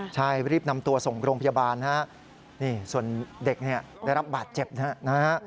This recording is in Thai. ใช่รีบนำตัวส่งโรงพยาบาลนะฮะนี่ส่วนเด็กเนี่ยได้รับบาดเจ็บนะฮะ